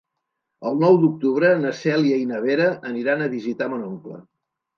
El nou d'octubre na Cèlia i na Vera aniran a visitar mon oncle.